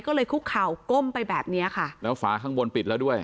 ก็เลยคุกเข่าก้มไปแบบเนี้ยค่ะแล้วฝาข้างบนปิดแล้วด้วย